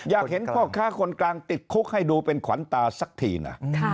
อยากเห็นพ่อค้าคนกลางติดคุกให้ดูเป็นขวัญตาสักทีนะ